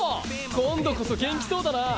今度こそ元気そうだな。